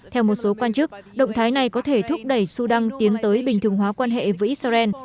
theo một số quan chức động thái này có thể thúc đẩy sudan tiến tới bình thường hóa quan hệ với israel